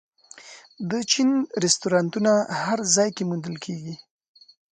د چین رستورانتونه هر ځای کې موندل کېږي.